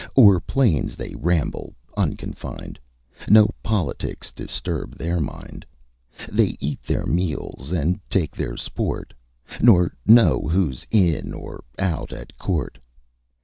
O'er plains they ramble unconfined, No politics disturb their mind; They eat their meals, and take their sport, Nor know who's in or out at court.